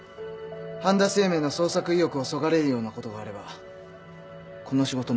半田清明の創作意欲をそがれるようなことがあればこの仕事なかったことにします。